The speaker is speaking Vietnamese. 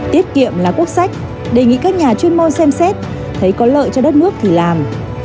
tiết kiệm là quốc sách đề nghị các nhà chuyên môn xem xét thấy có lợi cho đất nước thì làm